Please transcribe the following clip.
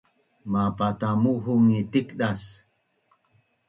mapatamuhung ngi tikdas